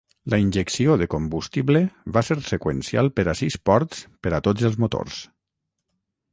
La injecció de combustible va ser seqüencial per a sis ports per a tots els motors.